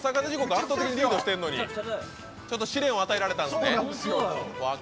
圧倒的にリードしてるのにちょっと試練を与えられたんですね。